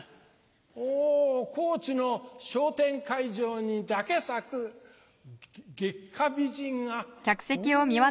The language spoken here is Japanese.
お高知の笑点会場にだけ咲く月下美人がほぉ。